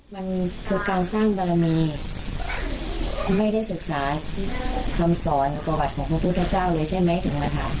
มันคือการสร้างบารมีไม่ได้ศึกษาคำสอนประวัติของพระพุทธเจ้าเลยใช่ไหมถึงมาถาม